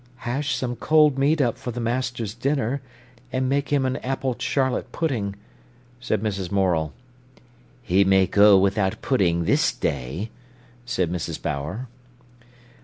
"Hash some cold meat up for the master's dinner, and make him an apple charlotte pudding," said Mrs. Morel. "He may go without pudding this day," said Mrs. Bower.